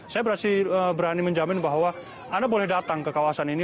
saya berani menjamin bahwa anda boleh datang ke kawasan ini